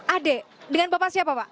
ade dengan bapak siapa pak